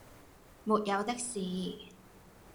「沒有的事……」